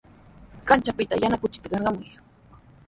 Kanchapita yana kuchita qarqamuy.